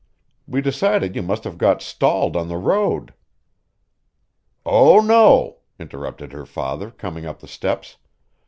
We decided you must have got stalled on the road." "Oh, no," interrupted her father, coming up the steps.